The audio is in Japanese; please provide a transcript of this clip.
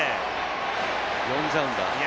呼んじゃうんだ。